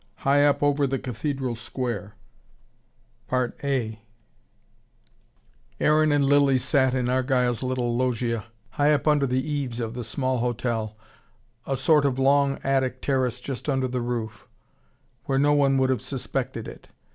HIGH UP OVER THE CATHEDRAL SQUARE Aaron and Lilly sat in Argyle's little loggia, high up under the eaves of the small hotel, a sort of long attic terrace just under the roof, where no one would have suspected it.